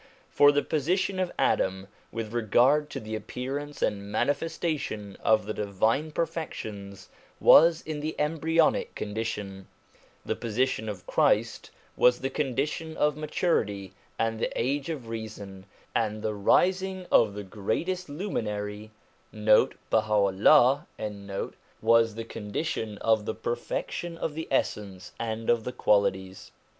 For the position of Adam, with regard to the appearance and manifestation of the divine perfections, was in the embryonic condition ; the position of Christ was the condition of maturity, and the age of reason, and the rising of the Greatest Luminary, 1 was the con dition of the perfection of the essence and of the qualities.